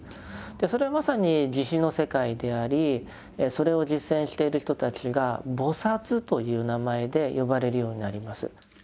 それはまさに慈悲の世界でありそれを実践している人たちが「菩」という名前で呼ばれるようになります。